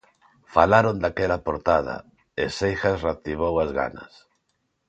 Falaron daquela portada, e Seijas reactivou as ganas.